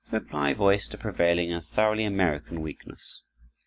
The reply voiced a prevailing and thoroughly American weakness.